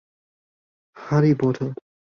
哈利波特